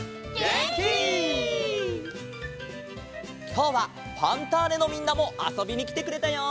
きょうは「ファンターネ！」のみんなもあそびにきてくれたよ！